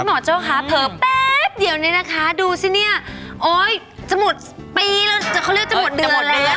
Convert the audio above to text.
โจ้คะเผลอแป๊บเดียวเนี่ยนะคะดูสิเนี่ยโอ๊ยจะหมดปีแล้วเขาเรียกจะหมดเดือนหมดแล้ว